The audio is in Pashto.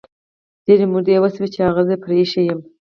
ډیري مودې وشوی چې هغه زه پری ایښي یمه